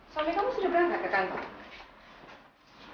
suami kamu sudah berangkat ke tante